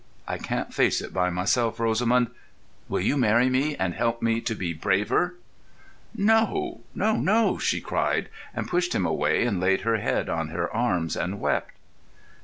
I can't face it by myself. Rosamund, will you marry me and help me to be braver?" "No, no, no," she cried, and pushed him away and laid her head on her arms and wept.